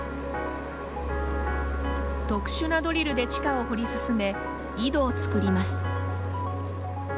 特殊なドリルで地下を掘り進め井戸を作ります。